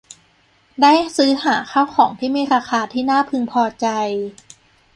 ได้ซื้อหาข้าวของมีราคาที่น่าพึงพอใจ